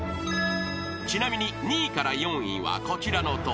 ［ちなみに２位から４位はこちらのとおり］